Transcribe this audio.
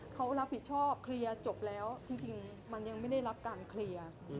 เขารับผิดชอบเคลียร์จบแล้วจริงมันยังไม่ได้รับการเคลียร์